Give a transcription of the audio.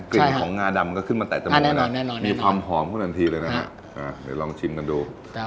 เกลียดของงาดำมันก็ขึ้นมาแต่จมมันนะ